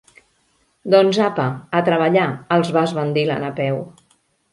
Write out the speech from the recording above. Doncs apa, a treballar —els va esbandir la Napeu—.